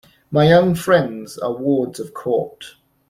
My young friends are wards of court.